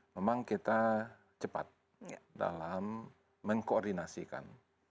memang kita cepat dalam mengkoordinasikan